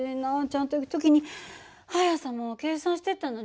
ちゃんと行く時に速さも計算してったのに。